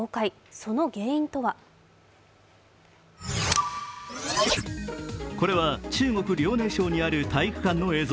その原因とはこれは中国・遼寧省にある体育館の映像。